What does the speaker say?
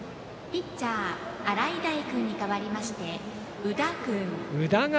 ピッチャー洗平君に代わりまして宇田君。